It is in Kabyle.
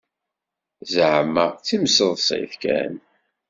Zeεma d timseḍsit kan.